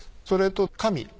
それと紙。